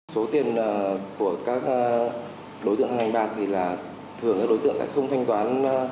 số tiền của các đối tượng ngành bạc thì là thường các đối tượng sẽ không thanh toán